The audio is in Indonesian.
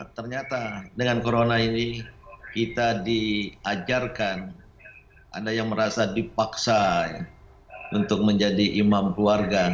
ternyata dengan corona ini kita diajarkan ada yang merasa dipaksa untuk menjadi imam keluarga